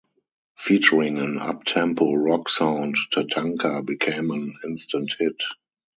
Featuring an up-tempo rock sound "Tatanka" became an instant hit.